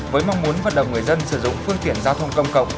với mong muốn vận động người dân sử dụng phương tiện giao thông công cộng